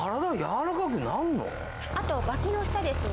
あと脇の下ですね。